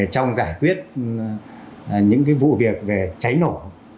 trong giải quyết những vụ việc về cháy nổ